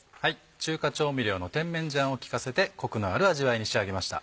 中華調味料の甜麺醤を利かせてコクのある味わいに仕上げました。